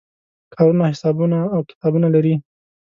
کارونه حسابونه او کتابونه لري.